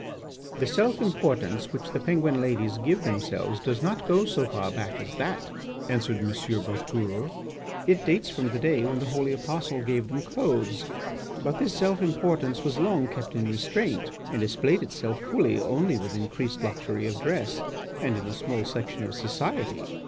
"The self importance which the Penguin ladies give themselves does not go so far back as that," answered M. Boutourlé. "It dates from the day when the holy apostle gave them clothes. But this self importance was long kept in restraint, and displayed itself fully only with increased luxury of dress and in a small section of society.